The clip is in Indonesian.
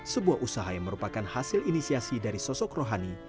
sebuah usaha yang merupakan hasil inisiasi dari sosok rohani